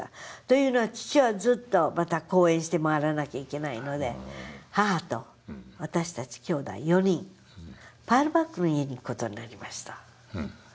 というのは父はずっとまた講演して回らなきゃいけないので母と私たちきょうだい４人パール・バックの家に行く事になりました。